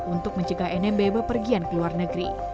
untuk mencegah nmb berpergian ke luar negeri